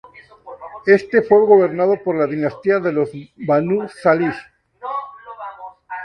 Este fue gobernado por la dinastía de los Banu Salih.